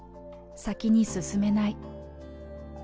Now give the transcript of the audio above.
先に進めない。